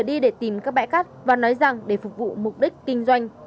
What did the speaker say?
đi để tìm các bãi cát và nói rằng để phục vụ mục đích kinh doanh